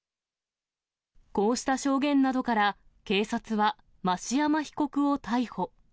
こうした証言などから、警察は、増山被告を逮捕。